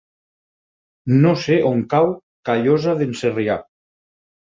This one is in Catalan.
No sé on cau Callosa d'en Sarrià.